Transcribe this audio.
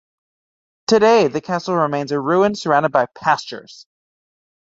Today the castle remains a ruin surrounded by pastures.